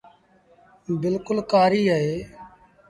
بلڪُل ڪآري اهي۔